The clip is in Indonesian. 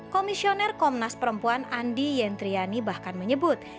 komisioner komnas perempuan andi yentriani bahkan menyebut